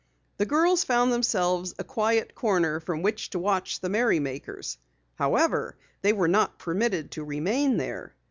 The girls found themselves a quiet corner from which to watch the merrymakers. However, they were not permitted to remain there.